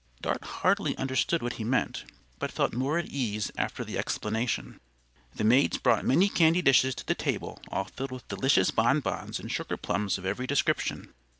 Dot hardly understood what he meant, but felt more at ease after the explanation. The maids brought many candy dishes to the table all filled with delicious bonbons and sugar plums of every description.